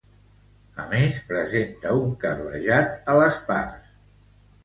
A més, presenta un cablejat a les parts.